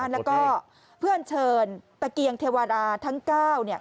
แล้วก็เพื่อนเชิญตะเกียงเทวาดาทั้ง๙